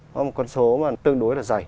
có một con số mà tương đối là dày